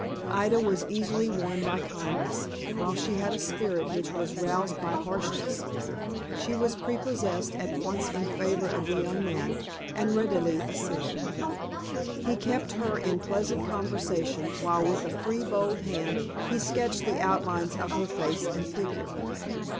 Ida was easily won by kindness, while she had a spirit which was roused by harshness. She was prepossessed at once in favor of the young man, and readily assented. He kept her in pleasant conversation while with a free, bold hand, he sketched the outlines of her face and figure.